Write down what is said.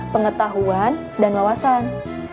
pengetahuan dan wawasan